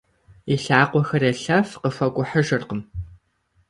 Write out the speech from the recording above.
И лъакъуэхэр елъэф, къыхуэкӏухьыжыркъым.